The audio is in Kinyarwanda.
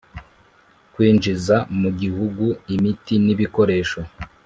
kwinjiza mu gihugu imiti n ibikoresho.